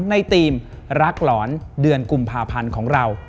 ในทีมรักหลอนเดือนกุมภาพันธ์ของเรา